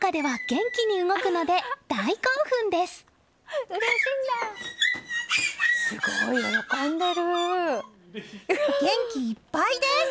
元気いっぱいです！